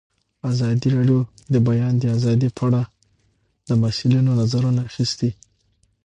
ازادي راډیو د د بیان آزادي په اړه د مسؤلینو نظرونه اخیستي.